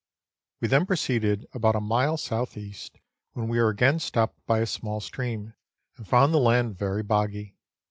We then proceeded about a mile S.E., when we were again stopped by a small stream, and found the land very boggy.